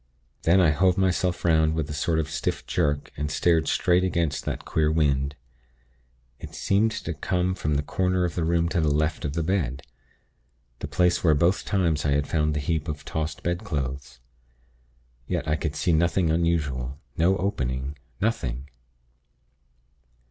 Then I hove myself 'round with a sort of stiff jerk, and stared straight against that queer wind. It seemed to come from the corner of the room to the left of the bed the place where both times I had found the heap of tossed bedclothes. Yet, I could see nothing unusual; no opening nothing!...